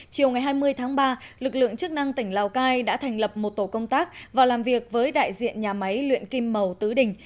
chiều ngày hai mươi tháng ba lực lượng chức năng tỉnh lào cai đã thành lập một tổ công tác vào làm việc với đại diện nhà máy luyện kim màu tứ đình